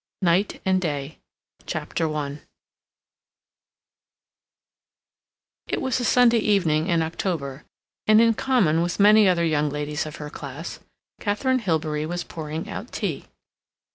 NIGHT AND DAY CHAPTER I It was a Sunday evening in October, and in common with many other young ladies of her class, Katharine Hilbery was pouring out tea.